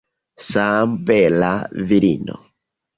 Same bela virino.